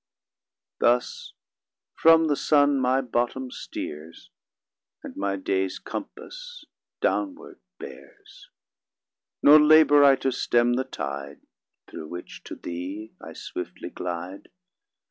100 Thus from the Sun my bottom steers, And my day's compass downward bears: Nor labour I to stem the tide, Through which to Thee I swiftly glide.